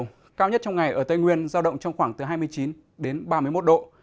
nhiệt độ cao nhất trong ngày ở tây nguyên giao động trong khoảng từ hai mươi chín đến ba mươi một độ